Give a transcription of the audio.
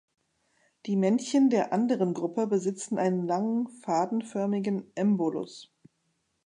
Die Männchen der anderen Gruppe besitzen einen langen, fadenförmigen Embolus.